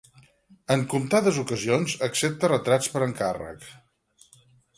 En comptades ocasions accepta retrats per encàrrec.